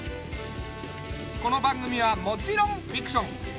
この番組はもちろんフィクション。